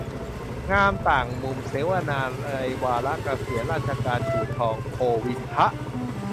งามต่างมุม : เสวนาในวาระเกษียณราชการ อู่ทอง โฆวินทะ